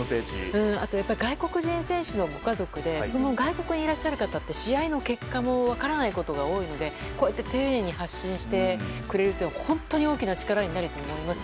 あと、外国人選手のご家族で外国にいらっしゃる方って試合の結果も分からないことが多いので、こうやって丁寧に発信してくれるのは本当に大きな力になると思います。